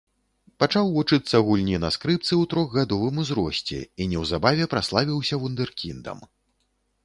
Пачаў вучыцца гульні на скрыпцы ў трохгадовым узросце і неўзабаве праславіўся вундэркіндам.